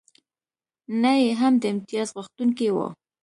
نه یې هم د امتیازغوښتونکی و.